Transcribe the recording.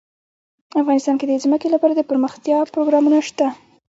افغانستان کې د ځمکه لپاره دپرمختیا پروګرامونه شته.